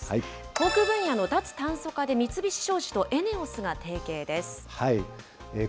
航空分野の脱炭素化で三菱商事とＥＮＥＯＳが提携です。